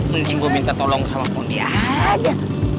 mending gue minta tolong sama pondi aja